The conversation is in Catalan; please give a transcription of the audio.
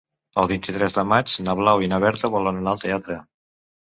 El vint-i-tres de maig na Blau i na Berta volen anar al teatre.